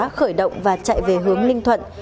đã khởi động và chạy về hướng ninh thuận